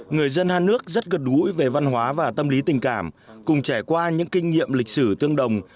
người dân hai nước rất gần gũi về văn hóa và tâm lý tình cảm cùng trải qua những kinh nghiệm lịch sử tương đồng